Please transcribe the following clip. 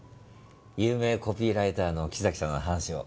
有名コピーライターの木崎さんの話を。